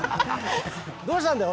どうしたんだよ？